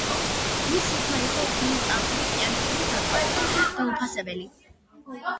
მისი ხმა იყო უნიკალური, პიანინოზე დაკვრა კი დაუფასებელი.